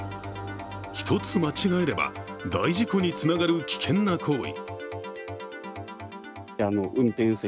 一つ間違えれば、大事故につながる危険な行為。